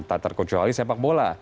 tak terkecuali sepak bola